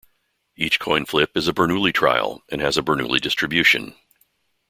Each coin flip is a Bernoulli trial and has a Bernoulli distribution.